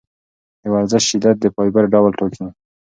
د ورزش شدت د فایبر ډول ټاکي.